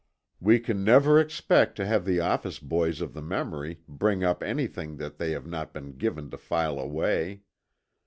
We can never expect to have the office boys of the memory bring up anything that they have not been given to file away.